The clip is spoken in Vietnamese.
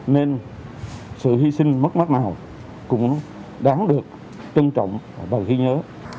nên sự hy sinh mất mắt nào cũng đáng được trân trọng và ghi nhớ